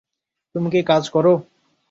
তুমি কি কাজ করো?